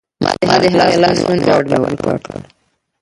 ما د هغې لاس ونیو او ډاډ مې ورکړ